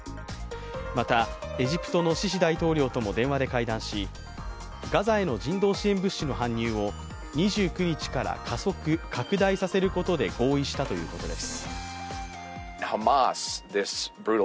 また、エジプトのシシ大統領とも電話で会談しガザへの人道支援物資の搬入を２９日から加速・拡大させることで合意したということです。